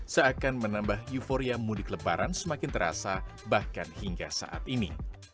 seakan menambah euforia mudik lebaran semakin terasa bahkan hingga saat ini